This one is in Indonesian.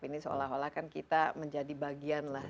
ini seolah olah kan kita menjadi bagian lah